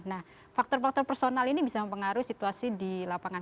nah faktor faktor personal ini bisa mempengaruhi situasi di lapangan